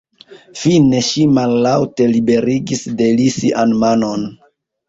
Fine ŝi mallaŭte liberigis de li sian manon.